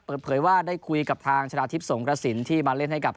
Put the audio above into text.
เปิดเผยว่าได้คุยกับทางชนะทิพย์สงกระสินที่มาเล่นให้กับ